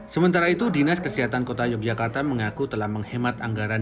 sementara itu dinas kesehatan kota yogyakarta mengaku telah menghemat anggaran